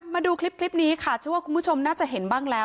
มาดูคลิปนี้ค่ะเชื่อว่าคุณผู้ชมน่าจะเห็นบ้างแล้ว